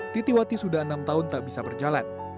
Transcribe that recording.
titi wati sudah enam tahun tak bisa berjalan